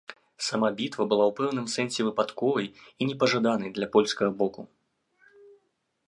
Сама бітва была ў пэўным сэнсе выпадковай і непажаданай для польскага боку.